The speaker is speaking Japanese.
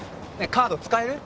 カード使える？